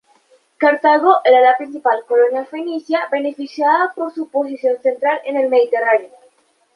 Cartago era la principal colonia fenicia, beneficiada por su posición central en el Mediterráneo.